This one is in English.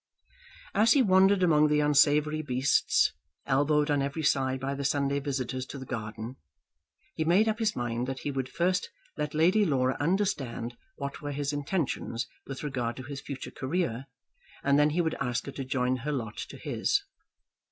As he wandered among the unsavoury beasts, elbowed on every side by the Sunday visitors to the garden, he made up his mind that he would first let Lady Laura understand what were his intentions with regard to his future career, and then he would ask her to join her lot to his.